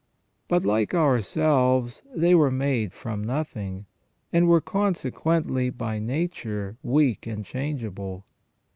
But, like ourselves, they were made from nothing, and were consequently by nature weak and changeable.